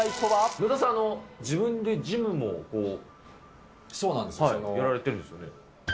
野田さん、自分でジムもやられてるんですよね？